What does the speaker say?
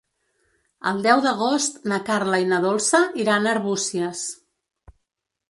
El deu d'agost na Carla i na Dolça iran a Arbúcies.